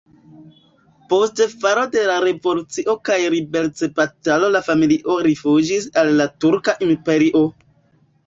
Post falo de la revolucio kaj liberecbatalo la familio rifuĝis al la Turka Imperio.